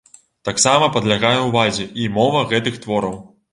Таксама падлягае ўвазе і мова гэтых твораў.